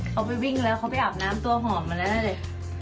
เขาไปวิ่งแล้วเขาไปอาบน้ำตัวหอมมาแล้วนั่นแหละ